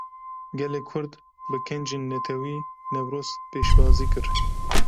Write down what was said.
Gelê Kurd, bi kincên Netewî Newroz pêşwazî kir